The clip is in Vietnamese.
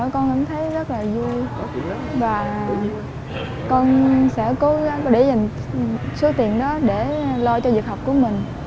con em thấy rất là vui và con sẽ cố gắng để dành số tiền đó để lo cho việc học của mình